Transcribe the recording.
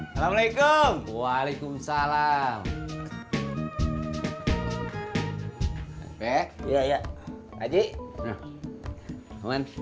masih masih keadaan kaya pemanah